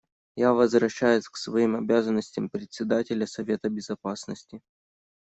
Я возвращаюсь к своим обязанностям Председателя Совета Безопасности.